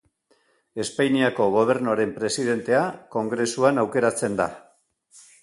Espainiako Gobernuaren presidentea, Kongresuan aukeratzen da.